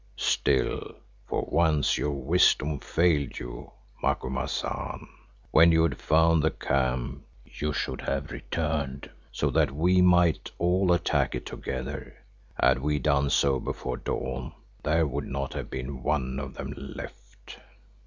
Still, for once your wisdom failed you, Macumazahn. When you had found the camp you should have returned, so that we might all attack it together. Had we done so, before the dawn there would not have been one of them left."